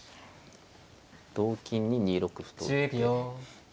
同金に２六歩と打って。